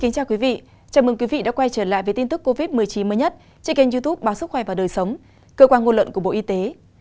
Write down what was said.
chào mừng quý vị đã quay trở lại với tin tức covid một mươi chín mới nhất trên kênh youtube báo sức khỏe và đời sống cơ quan ngôn luận của bộ y tế